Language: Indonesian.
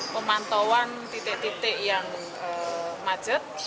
pemantauan titik titik yang macet